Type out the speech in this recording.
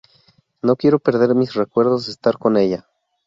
No quiero perder mis recuerdos de estar con ella.